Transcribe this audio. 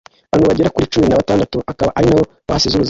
abantu bagera kuri cumi na batandatu akaba aribo bahasize ubuzima